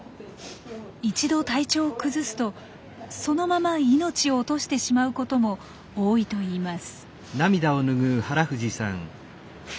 一度体調を崩すとそのまま命を落としてしまうことも多いといいます。